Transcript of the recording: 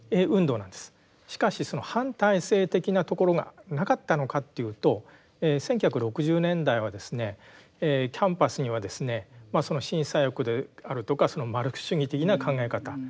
しかしその反体制的なところがなかったのかというと１９６０年代はですねキャンパスにはですね新左翼であるとかマルクス主義的な考え方